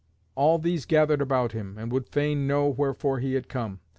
All these gathered about him, and would fain know wherefore he had come.